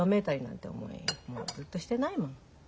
もうずっとしてないもん。